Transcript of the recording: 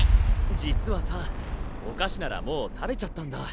実はさお菓子ならもう食べちゃったんだ。